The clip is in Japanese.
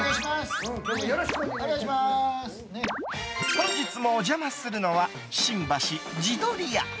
本日もお邪魔するのは新橋地鶏屋。